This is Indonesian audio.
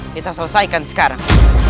kita selesaikan sekarang